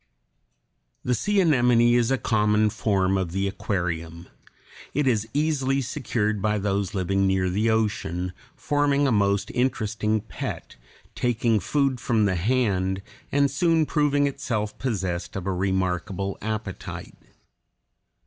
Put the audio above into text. The sea anemone is a common form of the aquarium. It is easily secured by those living near the ocean, forming a most interesting pet, taking food from the hand, and soon proving itself possessed of a remarkable appetite.